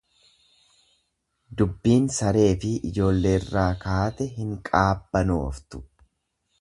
Dubbiin sareefi ijoolleerraa kaate hin qaabbanooftu.